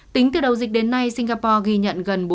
tính từ đầu dịch đến nay singapore ghi nhận gần bốn trăm sáu mươi chín